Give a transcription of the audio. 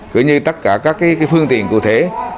cửa như tất cả các phương tiện cụ thể